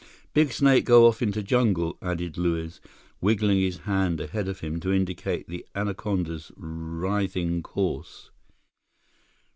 "Big snake go off into jungle," added Luiz, wiggling his hand ahead of him to indicate the anaconda's writhing course.